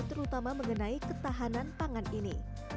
terutama mengenai ketahanan pangan ini